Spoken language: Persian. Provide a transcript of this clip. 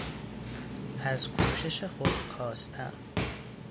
از کوشش خود کاستن